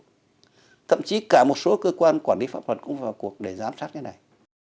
tổng cục thậm chí cả một số cơ quan quản lý pháp luật cũng vào cuộc để giám sát thế này